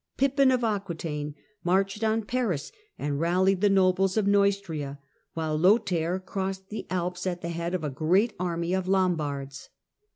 Pippin of Aquetaine marched on Paris and rallied the nobles of Neustria, while Lothair crossed the Alps at the head of a great army of Lombards.